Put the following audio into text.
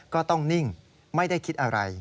ก็ต้องนิ่งไม่ได้คิดอะไร